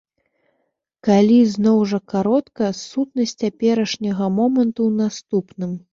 Калі зноў жа каротка, сутнасць цяперашняга моманту ў наступным.